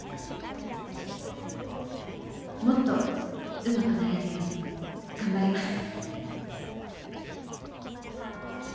もっとうまくなれるように頑張ります。